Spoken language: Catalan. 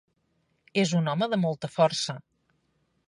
És un home de molta força.